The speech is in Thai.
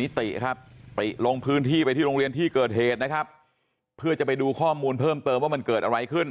นิติครับไปลงพื้นที่ไปที่โรงเรียนที่เกิดเหตุนะครับเพื่อจะไปดูข้อมูลเพิ่มเติมว่ามันเกิดอะไรขึ้น